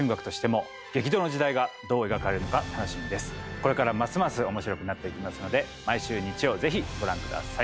これからますます面白くなっていきますので毎週日曜是非ご覧下さい。